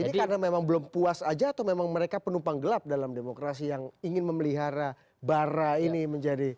ini karena memang belum puas aja atau memang mereka penumpang gelap dalam demokrasi yang ingin memelihara bara ini menjadi